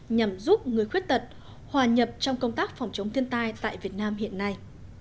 nhằm giúp người khuyết tật hòa nhập trong công tác phòng chống thiên tai tại việt nam hiện nay